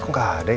kok gak ada ya